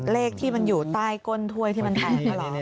เลขที่มันอยู่ใต้ก้นถ้วยที่มันแพงก็เหรอ